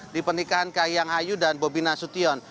di pernikahan kahiyang ayu dan bobina sution